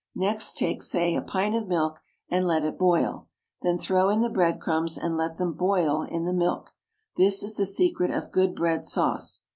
Next take, say, a pint of milk, and let it boil; then throw in the bread crumbs and let them boil in the milk. This is the secret of good bread sauce.